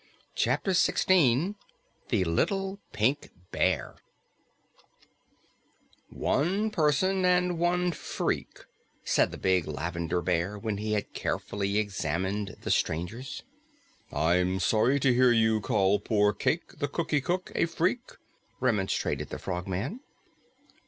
CHAPTER 16 THE LITTLE PINK BEAR "One Person and one Freak," said the big Lavender Bear when he had carefully examined the strangers. "I am sorry to hear you call poor Cayke the Cookie Cook a Freak," remonstrated the Frogman.